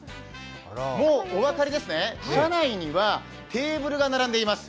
もうお分かりですね、車内にはテーブルが並んでいます。